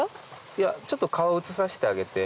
いやちょっと顔写さしてあげて。